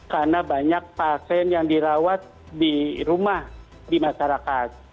karena banyak pasien yang dirawat di rumah di masyarakat